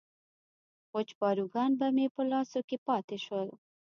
وچ پاروګان به مې په لاسو کې پاتې شول.